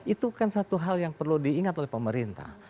itu kan satu hal yang perlu diingat oleh pemerintah